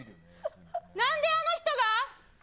なんであの人が？